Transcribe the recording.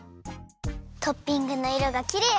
トッピングのいろがきれい！